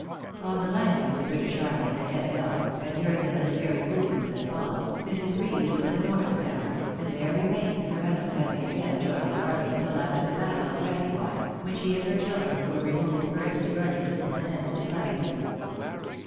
On the landing of the British army at the head of Elk, and during the military movements that followed, Mrs. Reed was at Norristown, and there remained, her husband having again joined the army, till after the battle of Brandywine, when she and her children were removed first to Burlington, and thence to Flemington.